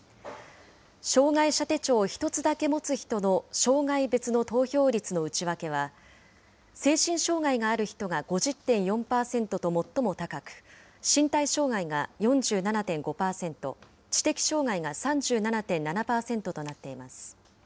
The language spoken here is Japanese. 障害者手帳を１つだけ持つ人の障害別の投票率の内訳は、精神障害がある人が５０．４％と最も高く、身体障害が４７．５％、知的障害が３７．７％となっています。